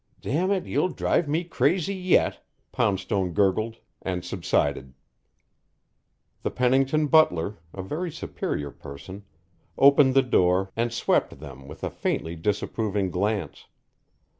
"Dammit, you'll drive me crazy yet," Poundstone gurgled, and subsided. The Pennington butler, a very superior person, opened the door and swept them with a faintly disapproving glance.